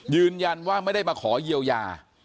ยืนยันว่าไม่ได้มาขอเยียวยา